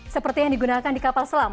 seperti yang digunakan di kapal selam